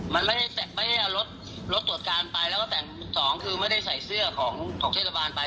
มันไม่ได้เอารถรถตรวจการไปแล้วก็แต่งสองคือไม่ได้ใส่เสื้อของเทศบาลไป